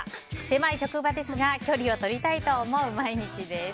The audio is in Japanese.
狭い職場ですが距離を取りたいと思う毎日です。